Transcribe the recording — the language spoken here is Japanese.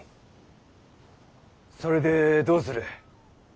それでどうする？